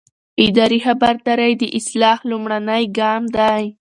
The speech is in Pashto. اداري خبرداری د اصلاح لومړنی ګام دی.